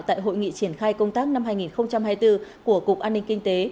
tại hội nghị triển khai công tác năm hai nghìn hai mươi bốn của cục an ninh kinh tế